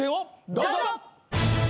どうぞ！